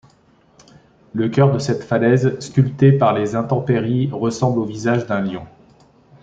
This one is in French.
Le cœur de cette falaise, sculpté par les intempéries, ressemble au visage d'un lion.